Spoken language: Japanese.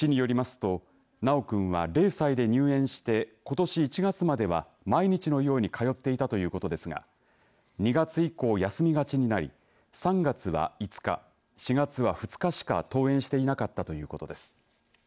市によりますと修くんは０歳で入園してことし１月までは毎日のように通っていたということですが２月以降、休みがちになり３月は５日、４月は２日しか登園していなかったということです。